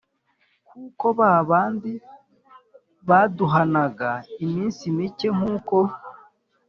Kuko ba bandi baduhanaga iminsi mike nk uko